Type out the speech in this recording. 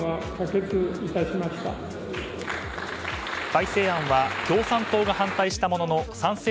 改正案は共産党が反対したものの賛成